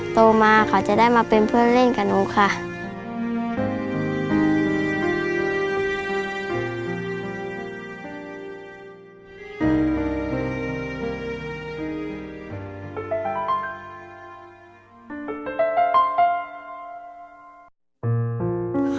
น้องเกิดมาพิการเป็นโรคปากแบ่งประดาษหนูค่ะรุนแรงค่ะ